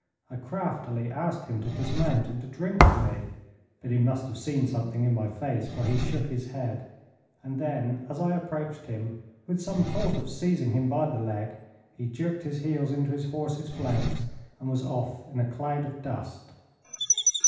I craftily asked him to dismount and to drink with me, but he must have seen something in my face, for he shook his head; and then, as I approached him with some thought of seizing him by the leg, he jerked his heels into his horse's flanks, and was off in a cloud of dust.